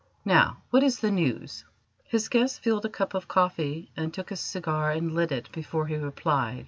Now, what is the news?" His guest filled a cup of coffee and took a cigar and lit it before he replied.